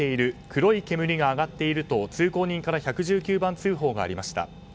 黒い煙が上がっていると通行人から１１９番通報がありました。